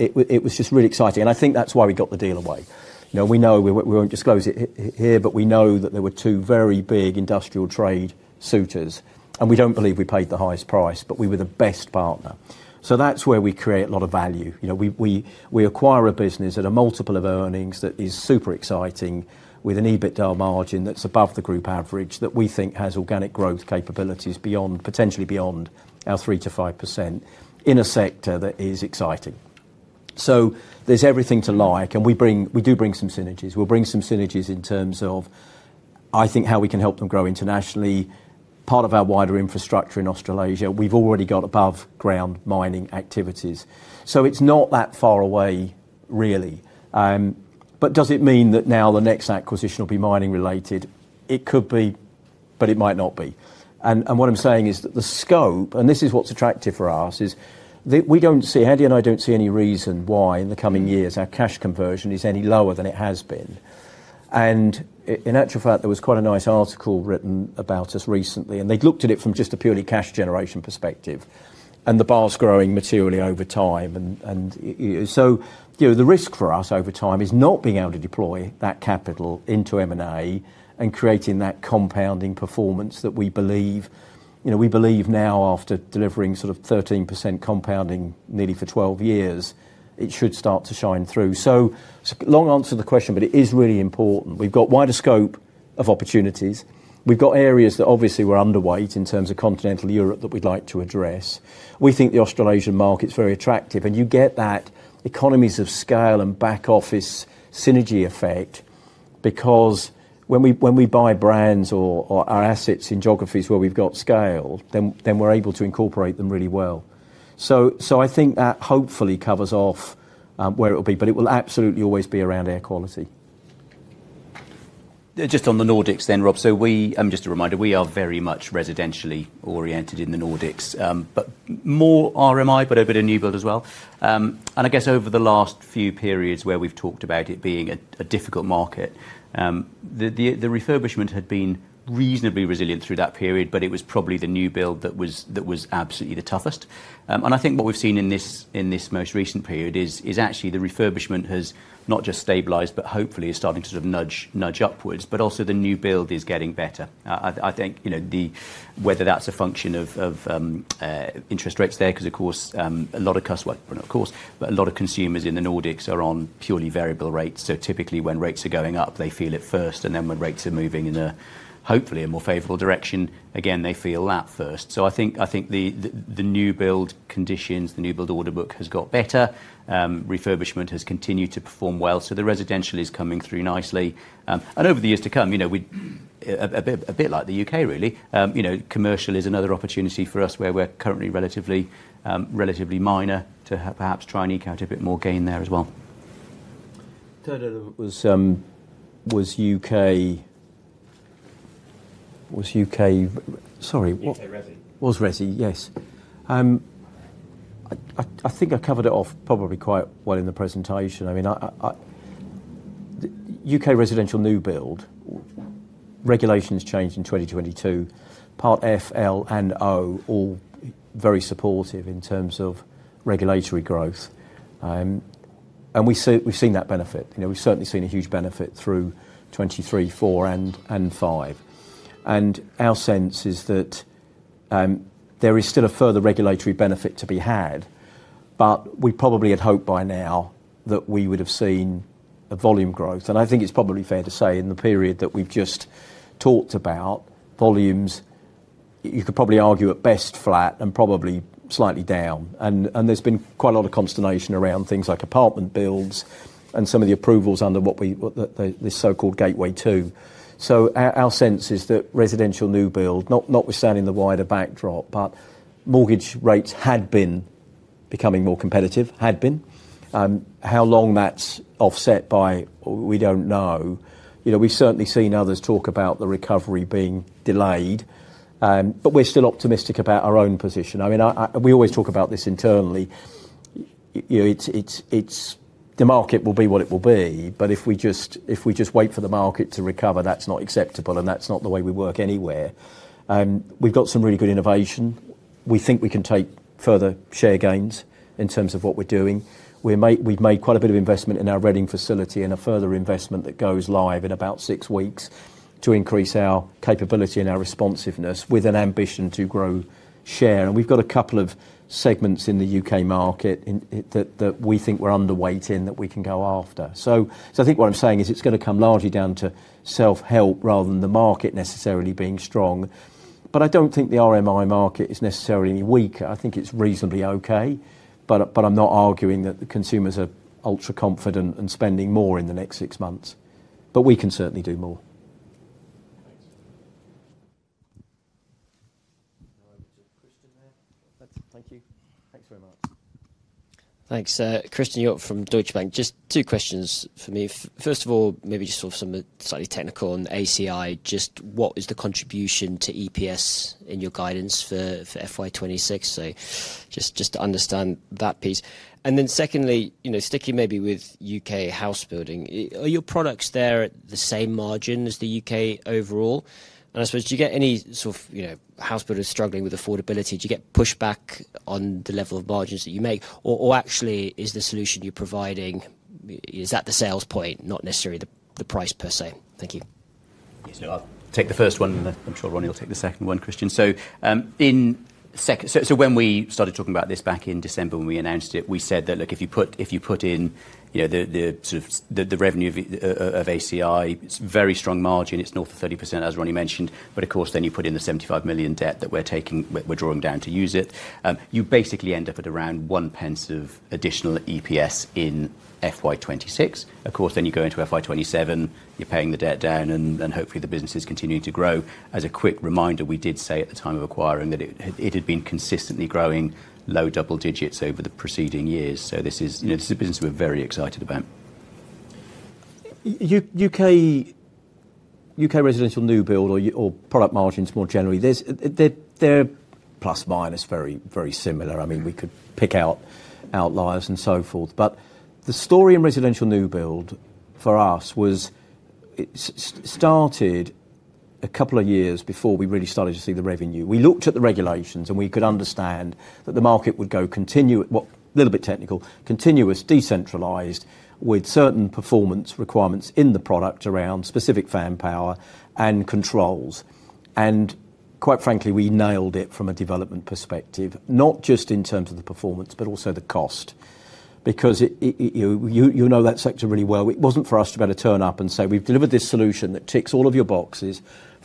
it was just really exciting, and I think that's why we got the deal away. Now we know, we won't disclose it here, but we know that there were two very big industrial trade suitors, and we don't believe we paid the highest price, but we were the best partner. That's where we create a lot of value. You know, we acquire a business at a multiple of earnings that is super exciting with an EBITDA margin that's above the group average that we think has organic growth capabilities beyond, potentially beyond our 3%-5% in a sector that is exciting. There's everything to like, and we bring, we do bring some synergies. We'll bring some synergies in terms of, I think, how we can help them grow internationally. Part of our wider infrastructure in Australasia, we've already got above-ground mining activities. It's not that far away really. Does it mean that now the next acquisition will be mining-related? It could be, but it might not be. What I'm saying is that the scope, and this is what's attractive for us, is that we don't see, Andy and I don't see any reason why in the coming years our cash conversion is any lower than it has been. In actual fact, there was quite a nice article written about us recently, and they looked at it from just a purely cash generation perspective, and the bar's growing materially over time. You know, the risk for us over time is not being able to deploy that capital into M&A and creating that compounding performance that we believe. You know, we believe now after delivering sort of 13% compounding nearly for 12 years, it should start to shine through. Long answer to the question, but it is really important. We've got wider scope of opportunities. We've got areas that obviously were underweight in terms of Continental Europe that we'd like to address. We think the Australasian market's very attractive, and you get that economies of scale and back office synergy effect because when we buy brands or assets in geographies where we've got scale, then we're able to incorporate them really well. I think that hopefully covers off where it'll be, but it will absolutely always be around air quality. Just on the Nordics then, Rob. We, just a reminder, we are very much residentially oriented in the Nordics, but more RMI, but a bit of new build as well. I guess over the last few periods where we've talked about it being a difficult market, the refurbishment had been reasonably resilient through that period, but it was probably the new build that was absolutely the toughest. I think what we've seen in this most recent period is actually the refurbishment has not just stabilized, but hopefully is starting to sort of nudge upwards. Also the new build is getting better. I think you know the whether that's a function of interest rates there, 'cause well, not of course, but a lot of consumers in the Nordics are on purely variable rates. Typically when rates are going up, they feel it first, and then when rates are moving in a hopefully a more favorable direction, again, they feel that first. I think the new build conditions, the new build order book has got better. Refurbishment has continued to perform well, so the residential is coming through nicely. Over the years to come, you know, we're a bit like the UK really, you know, commercial is another opportunity for us where we're currently relatively minor, perhaps try and eke out a bit more gain there as well. Third element was U.K. Sorry, what? U.K. resi. Residential, yes. I think I covered it off probably quite well in the presentation. I mean, the U.K. residential new build regulations changed in 2022. Part F, L, and O all very supportive in terms of regulatory growth. We've seen that benefit. You know, we've certainly seen a huge benefit through 2023, 2024 and 2025. Our sense is that there is still a further regulatory benefit to be had, but we probably had hoped by now that we would have seen a volume growth. I think it's probably fair to say in the period that we've just talked about, volumes you could probably argue at best flat and probably slightly down. There's been quite a lot of consternation around things like apartment builds and some of the approvals under what the so-called Gateway Two. Our sense is that residential new build, notwithstanding the wider backdrop, but mortgage rates had been becoming more competitive. How long that's offset by, we don't know. You know, we've certainly seen others talk about the recovery being delayed, but we're still optimistic about our own position. I mean, we always talk about this internally. You know, it's the market will be what it will be, but if we just wait for the market to recover, that's not acceptable, and that's not the way we work anywhere. We've got some really good innovation. We think we can take further share gains in terms of what we're doing. We've made quite a bit of investment in our Reading facility and a further investment that goes live in about six weeks to increase our capability and our responsiveness with an ambition to grow share. We've got a couple of segments in the U.K. market that we think we're underweight in that we can go after. I think what I'm saying is it's gonna come largely down to self-help rather than the market necessarily being strong. I don't think the RMI market is necessarily any weaker. I think it's reasonably okay, but I'm not arguing that the consumers are ultra confident and spending more in the next six months. We can certainly do more. Thanks. Thank you. Thanks very much. Thanks. Christen Hjorth from Deutsche Bank. Just two questions for me. First of all, maybe just sort of slightly technical on the ACI, just what is the contribution to EPS in your guidance for FY 2026? So just to understand that piece. And then secondly, you know, sticking maybe with U.K. house building, are your products there at the same margin as the U.K. overall? And I suppose, do you get any sort of, you know, house builders struggling with affordability? Do you get pushback on the level of margins that you make? Or actually is the solution you're providing, is that the sales point, not necessarily the price per se? Thank you. Yes. I'll take the first one, and I'm sure Ronnie will take the second one, Christian. When we started talking about this back in December when we announced it, we said that, look, if you put in, you know, the sort of revenue of ACI, it's very strong margin. It's north of 30%, as Ronnie mentioned. But of course, then you put in the 75 million debt that we're taking, we're drawing down to use it, you basically end up at around 1 pence of additional EPS in FY 2026. Of course, then you go into FY 2027, you're paying the debt down and hopefully the business is continuing to grow. As a quick reminder, we did say at the time of acquiring that it had been consistently growing low double digits over the preceding years. This is, you know, this is a business we're very excited about. U.K. residential new build or product margins more generally, they're plus minus very similar. I mean, we could pick out outliers and so forth. The story in residential new build for us was started a couple of years before we really started to see the revenue. We looked at the regulations, and we could understand that the market would go continuous decentralized with certain performance requirements in the product around specific fan power and controls. Quite frankly, we nailed it from a development perspective, not just in terms of the performance, but also the cost. Because it, you know that sector really well. It wasn't for us to be able to turn up and say, "We've delivered this solution that ticks all of your boxes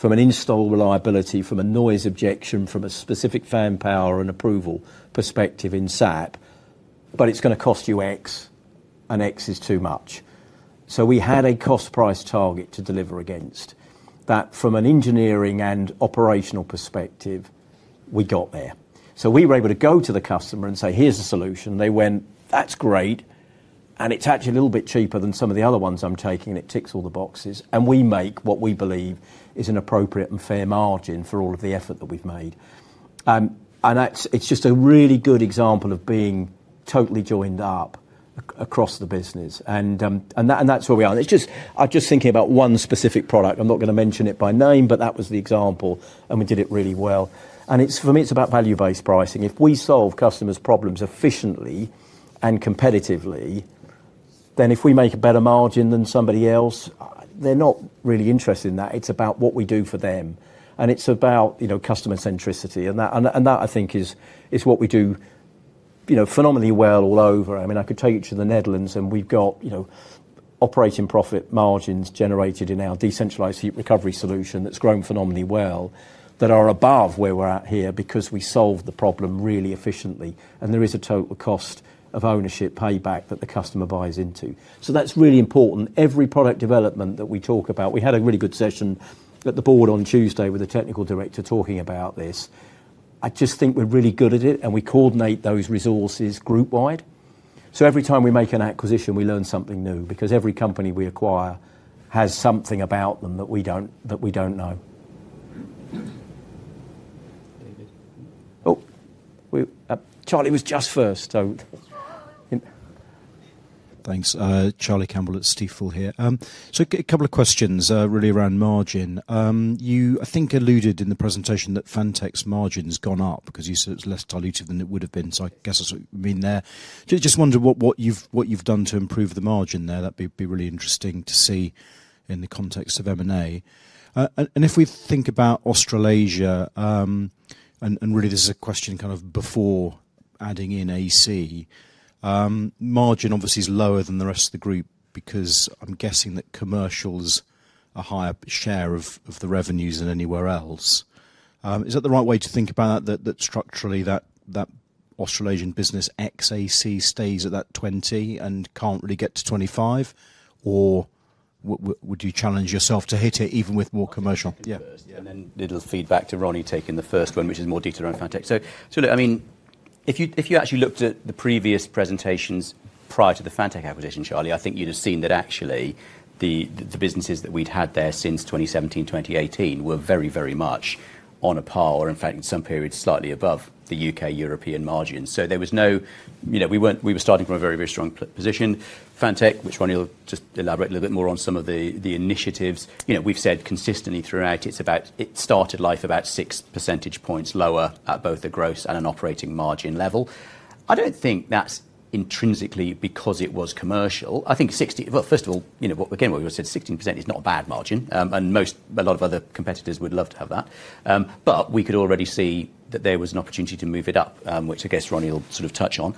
from an install reliability, from a noise objection, from a specific fan power and approval perspective in SAP, but it's gonna cost you X, and X is too much." We had a cost price target to deliver against that from an engineering and operational perspective, we got there. We were able to go to the customer and say, "Here's a solution." They went, "That's great, and it's actually a little bit cheaper than some of the other ones I'm taking. It ticks all the boxes." We make what we believe is an appropriate and fair margin for all of the effort that we've made. It's just a really good example of being totally joined up across the business. That's where we are. It's just, I'm just thinking about one specific product. I'm not gonna mention it by name, but that was the example, and we did it really well. It's, for me, it's about value-based pricing. If we solve customers problems efficiently and competitively, then if we make a better margin than somebody else, they're not really interested in that. It's about what we do for them, and it's about, you know, customer centricity. That I think is what we do, you know, phenomenally well all over. I mean, I could take you to the Netherlands, and we've got, you know, operating profit margins generated in our decentralized heat recovery solution that's grown phenomenally well, that are above where we're at here because we solve the problem really efficiently and there is a total cost of ownership payback that the customer buys into. That's really important. Every product development that we talk about, we had a really good session at the board on Tuesday with the technical director talking about this. I just think we're really good at it, and we coordinate those resources group wide. Every time we make an acquisition, we learn something new because every company we acquire has something about them that we don't, that we don't know. David. Oh, Charlie was just first. So Thanks. Charlie Campbell at Stifel here. Couple of questions, really around margin. You, I think, alluded in the presentation that Fantech's margin's gone up because you said it's less dilutive than it would have been. I guess that's what you mean there. Just wondered what you've done to improve the margin there. That'd be really interesting to see in the context of M&A. If we think about Australasia, really this is a question kind of before adding in AC, margin obviously is lower than the rest of the group because I'm guessing that commercial's a higher share of the revenues than anywhere else. Is that the right way to think about it? That structurally that Australasian business ex ACI stays at 20% and can't really get to 25%, or would you challenge yourself to hit it even with more commercial? Yeah. Little feedback to Ronnie taking the first one, which is more detail around Fantech. So look, I mean, if you actually looked at the previous presentations prior to the Fantech acquisition, Charlie, I think you'd have seen that actually the businesses that we'd had there since 2017, 2018 were very much on a par, or in fact in some periods, slightly above the UK European margins. So there was no, you know, we weren't, we were starting from a very strong position. Fantech, which Ronnie will just elaborate a little bit more on some of the initiatives. You know, we've said consistently throughout, it's about, it started life about 6 percentage points lower at both a gross and an operating margin level. I don't think that's intrinsically because it was commercial. I think 60. Well, first of all, you know, what we came up with, we said 16% is not a bad margin, and most, a lot of other competitors would love to have that. But we could already see that there was an opportunity to move it up, which I guess Ronnie will sort of touch on.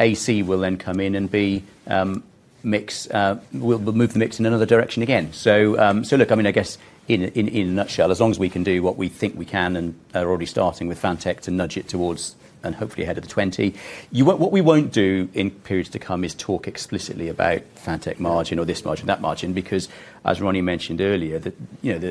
AC will then come in and we'll move the mix in another direction again. Look, I mean, I guess in a nutshell, as long as we can do what we think we can and are already starting with Fantech to nudge it towards and hopefully ahead of the 20%. What we won't do in periods to come is talk explicitly about Fantech margin or this margin, that margin, because as Ronnie mentioned earlier, you know,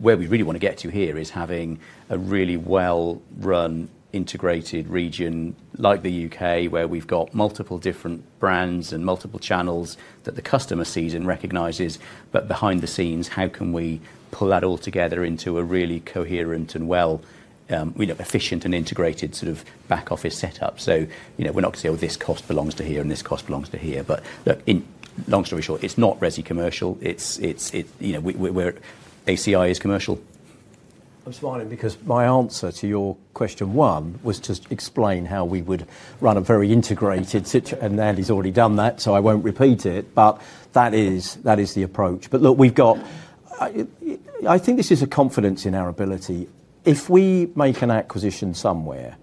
where we really wanna get to here is having a really well-run integrated region like the U.K., where we've got multiple different brands and multiple channels that the customer sees and recognizes. Behind the scenes, how can we pull that all together into a really coherent and well, you know, efficient and integrated sort of back office setup. You know, we're not gonna say, "Oh, this cost belongs to here, and this cost belongs to here." Look, long story short, it's not resi-commercial. It's you know, we're ACI is commercial. I'm smiling because my answer to your question one was to explain how we would run a very integrated. Andy's already done that, so I won't repeat it, but that is the approach. Look, we've got, I think this is a confidence in our ability. If we make an acquisition somewhere,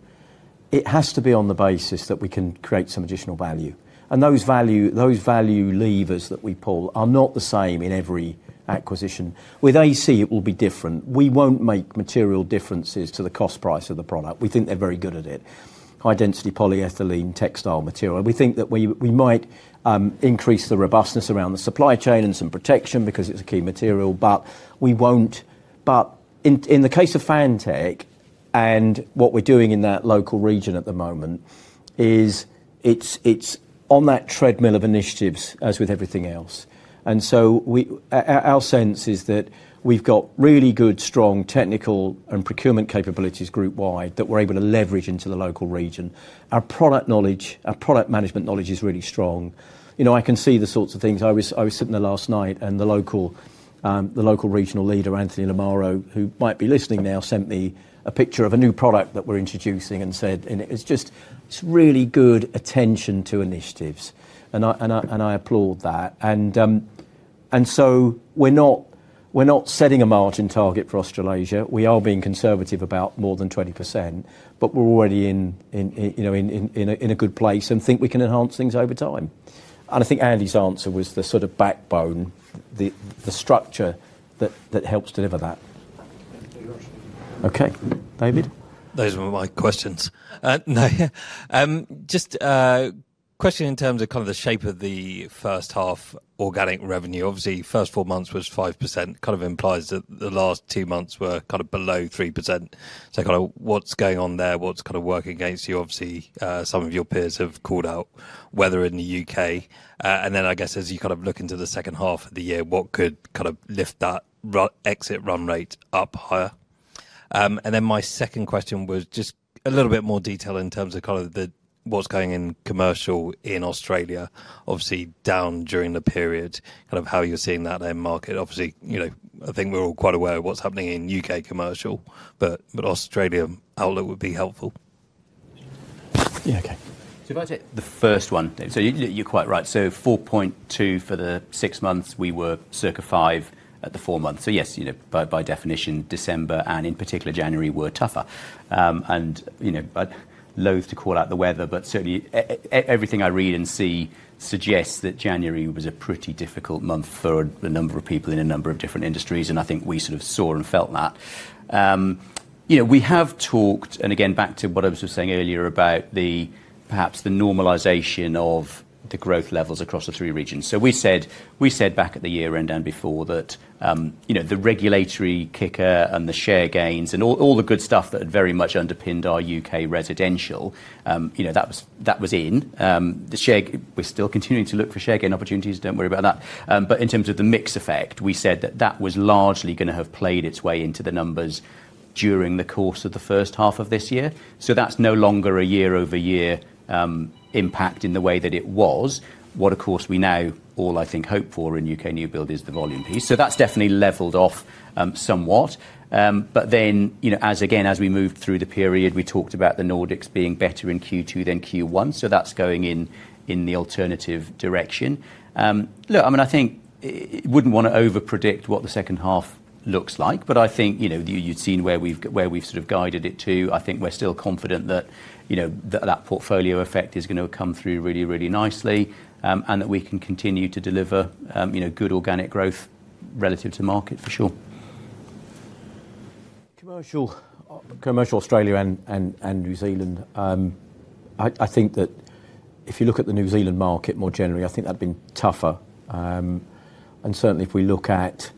it has to be on the basis that we can create some additional value. Those value levers that we pull are not the same in every acquisition. With AC, it will be different. We won't make material differences to the cost price of the product. We think they're very good at it. High-density polyethylene textile material. We think that we might increase the robustness around the supply chain and some protection because it's a key material, but we won't. In the case of Fantech, and what we're doing in that local region at the moment is it's on that treadmill of initiatives as with everything else. So our sense is that we've got really good, strong technical and procurement capabilities group wide that we're able to leverage into the local region. Our product knowledge, our product management knowledge is really strong. You know, I can see the sorts of things. I was sitting there last night, and the local regional leader, Anthony Lamarra, who might be listening now, sent me a picture of a new product that we're introducing and said. It's just really good attention to initiatives, and I applaud that. So we're not setting a margin target for Australasia. We are being conservative about more than 20%, but we're already in, you know, a good place and think we can enhance things over time. I think Andy's answer was the sort of backbone, the structure that helps deliver that. Okay. David? Those were my questions. Just a question in terms of kind of the shape of the first half organic revenue. Obviously, first four months was 5%, kind of implies that the last two months were kind of below 3%. Kind of what's going on there? What's kind of working against you? Obviously, some of your peers have called out weather in the U.K. Then I guess as you kind of look into the second half of the year, what could kind of lift that run rate up higher? My second question was just a little bit more detail in terms of kind of the, what's going on in commercial in Australia, obviously down during the period, kind of how you're seeing that end market? Obviously, you know, I think we're all quite aware of what's happening in U.K. commercial, but Australia, an outlook would be helpful. Yeah. Okay. If I take the first one, David. You're quite right. 4.2% for the six months, we were circa 5% at the four months. Yes, you know, by definition, December and in particular January were tougher. You know, I'd loathe to call out the weather, but certainly everything I read and see suggests that January was a pretty difficult month for a number of people in a number of different industries, and I think we sort of saw and felt that. You know, we have talked, and again, back to what I was saying earlier about the, perhaps the normalization of the growth levels across the three regions. We said back at the year end and before that, you know, the regulatory kicker and the share gains and the good stuff that had very much underpinned our U.K. residential, you know, that was in. We're still continuing to look for share gain opportunities. Don't worry about that. But in terms of the mix effect, we said that was largely gonna have played its way into the numbers during the course of the first half of this year. That's no longer a year-over-year impact in the way that it was. What of course we now all, I think, hope for in U.K. new build is the volume piece. That's definitely leveled off, somewhat. You know, as again, as we moved through the period, we talked about the Nordics being better in Q2 than Q1, so that's going in the alternative direction. Look, I mean, I think wouldn't wanna over-predict what the second half looks like, but I think, you know, you've seen where we've sort of guided it to. I think we're still confident that, you know, that portfolio effect is gonna come through really, really nicely, and that we can continue to deliver, you know, good organic growth relative to market for sure. Commercial Australia and New Zealand, I think that if you look at the New Zealand market more generally, I think that'd been tougher. Certainly if we look at,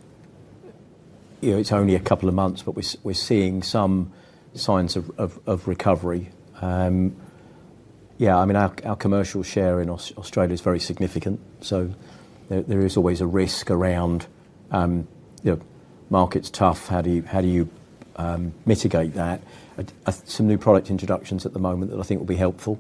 you know, it's only a couple of months, but we're seeing some signs of recovery. Yeah, I mean, our commercial share in Australia is very significant. So there is always a risk around, you know, market's tough. How do you mitigate that? Some new product introductions at the moment that I think will be helpful.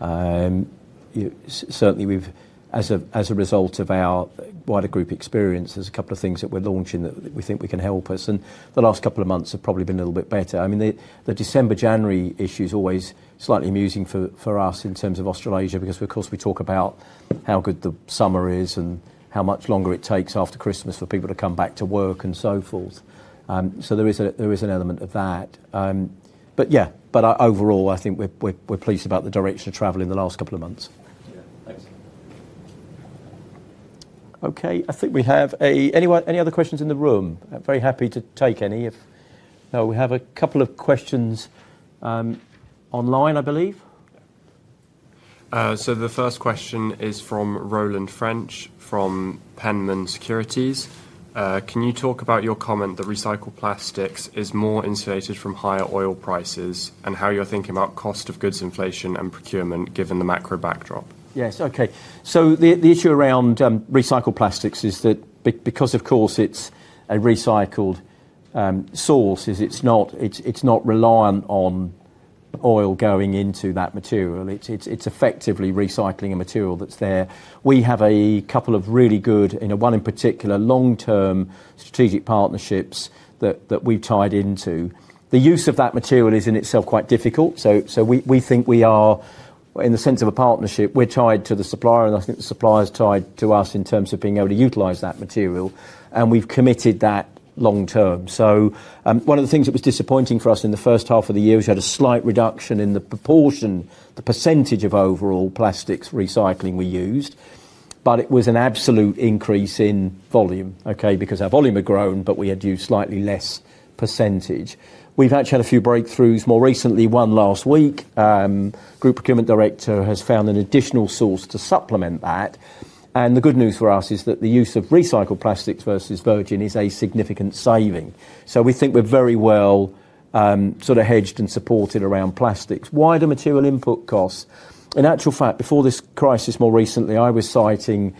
Certainly we've as a result of our wider group experience, there's a couple of things that we're launching that we think we can help us. The last couple of months have probably been a little bit better. I mean, the December, January issue is always slightly amusing for us in terms of Australasia, because of course, we talk about how good the summer is and how much longer it takes after Christmas for people to come back to work and so forth. There is an element of that. Yeah, overall, I think we're pleased about the direction of travel in the last couple of months. Yeah. Thanks. Okay. I think we have. Anyone, any other questions in the room? I'm very happy to take any. No, we have a couple of questions online, I believe. The first question is from Roland French, from Penman Securities. Can you talk about your comment that recycled plastics is more insulated from higher oil prices and how you're thinking about cost of goods inflation and procurement given the macro backdrop? Yes. Okay. The issue around recycled plastics is that because of course it's a recycled source. It's not reliant on oil going into that material. It's effectively recycling a material that's there. We have a couple of really good, you know, one in particular, long-term strategic partnerships that we've tied into. The use of that material is in itself quite difficult. We think we are, in the sense of a partnership, tied to the supplier, and I think the supplier is tied to us in terms of being able to utilize that material, and we've committed that long term. One of the things that was disappointing for us in the first half of the year is we had a slight reduction in the proportion, the percentage of overall plastics recycling we used, but it was an absolute increase in volume. Okay. Because our volume had grown, but we had used slightly less percentage. We've actually had a few breakthroughs more recently, one last week. Group procurement director has found an additional source to supplement that, and the good news for us is that the use of recycled plastics versus virgin is a significant saving. We think we're very well, sort of hedged and supported around plastics. Wider material input costs. In actual fact, before this crisis more recently, I was citing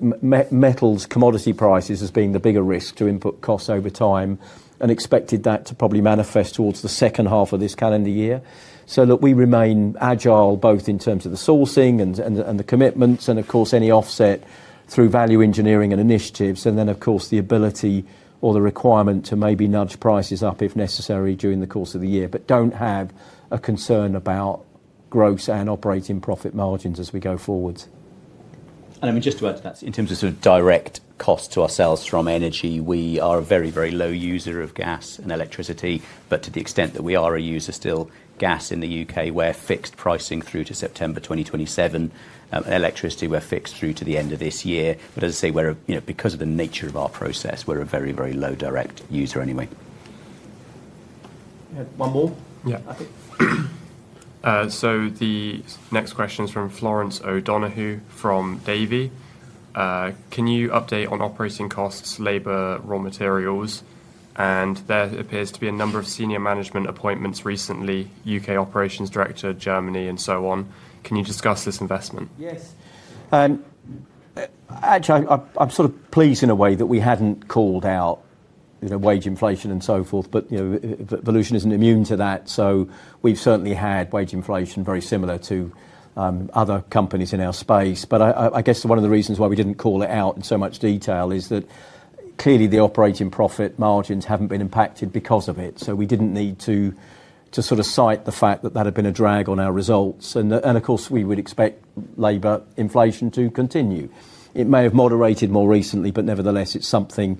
metals commodity prices as being the bigger risk to input costs over time and expected that to probably manifest towards the second half of this calendar year. Look, we remain agile, both in terms of the sourcing and the commitments and of course any offset through value engineering and initiatives, and then of course the ability or the requirement to maybe nudge prices up if necessary during the course of the year, but don't have a concern about gross and operating profit margins as we go forward. I mean, just to add to that, in terms of sort of direct cost to ourselves from energy, we are a very, very low user of gas and electricity. To the extent that we are a user still, gas in the U.K., we're fixed pricing through to September 2027. Electricity, we're fixed through to the end of this year. As I say, we're, you know, because of the nature of our process, we're a very, very low direct user anyway. Yeah. One more. Yeah. I think. The next question is from Florence O'Donoghue from Davy. Can you update on operating costs, labor, raw materials? There appears to be a number of senior management appointments recently, U.K. operations director, Germany, and so on. Can you discuss this investment? Yes. Actually, I'm sort of pleased in a way that we hadn't called out, you know, wage inflation and so forth, but, you know, Volution isn't immune to that. We've certainly had wage inflation very similar to other companies in our space. I guess one of the reasons why we didn't call it out in so much detail is that clearly the operating profit margins haven't been impacted because of it. We didn't need to sort of cite the fact that that had been a drag on our results. Of course, we would expect labor inflation to continue. It may have moderated more recently, but nevertheless, it's something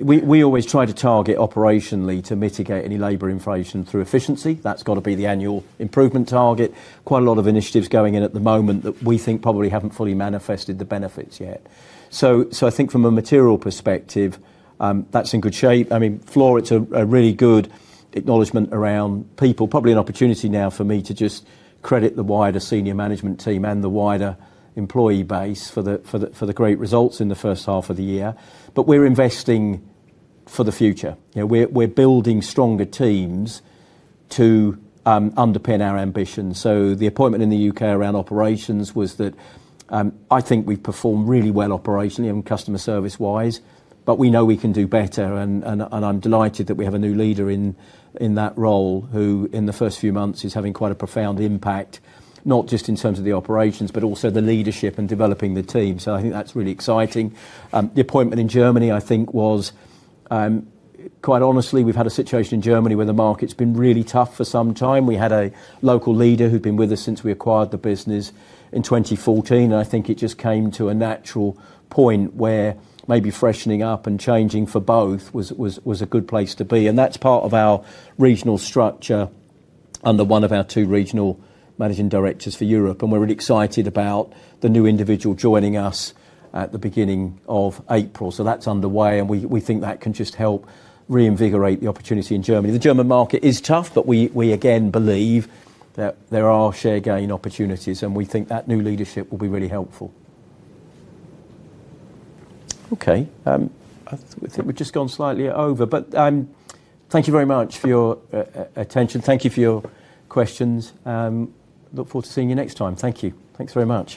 we always try to target operationally to mitigate any labor inflation through efficiency. That's gotta be the annual improvement target. Quite a lot of initiatives going in at the moment that we think probably haven't fully manifested the benefits yet. I think from a material perspective, that's in good shape. I mean, Florence, a really good acknowledgment around people. Probably an opportunity now for me to just credit the wider senior management team and the wider employee base for the great results in the first half of the year. We're investing for the future. You know, we're building stronger teams to underpin our ambitions. The appointment in the U.K. around operations was that, I think we've performed really well operationally and customer service wise, but we know we can do better and I'm delighted that we have a new leader in that role who in the first few months is having quite a profound impact, not just in terms of the operations, but also the leadership and developing the team. I think that's really exciting. The appointment in Germany I think was, quite honestly, we've had a situation in Germany where the market's been really tough for some time. We had a local leader who'd been with us since we acquired the business in 2014, and I think it just came to a natural point where maybe freshening up and changing for both was a good place to be. That's part of our regional structure under one of our two regional managing directors for Europe, and we're really excited about the new individual joining us at the beginning of April. That's underway, and we think that can just help reinvigorate the opportunity in Germany. The German market is tough, but we again believe that there are share gain opportunities, and we think that new leadership will be really helpful. Okay, I think we've just gone slightly over. Thank you very much for your attention. Thank you for your questions. Look forward to seeing you next time. Thank you. Thanks very much.